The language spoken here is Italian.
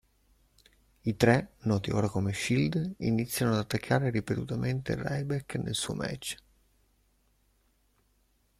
I tre, noti ora come Shield, iniziano ad attaccare ripetutamente Ryback nel suoi match.